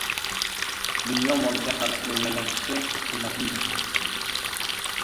• Dunyo moliga haris bo‘lmagan kishi himmatlidir.